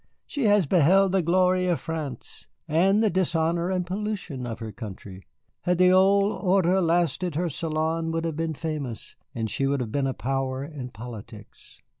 "She has beheld the glory of France, and the dishonor and pollution of her country. Had the old order lasted her salon would have been famous, and she would have been a power in politics."